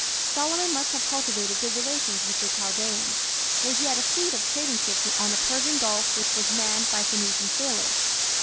Solomon must have cultivated good relations with the Chaldaeans, for he had a fleet of trading ships on the Persian Gulf which was manned by Phoenician sailors.